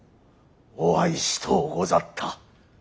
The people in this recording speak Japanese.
お会いしとうござった。